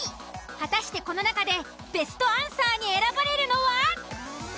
果たしてこの中でベストアンサーに選ばれるのは？